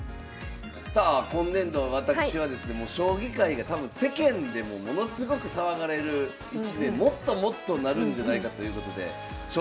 さあ今年度私はですね将棋界が多分世間でもものすごく騒がれる一年もっともっとなるんじゃないかということでよろしくお願いします！